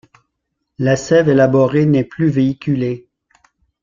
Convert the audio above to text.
La sève élaborée n'est plus véhiculée.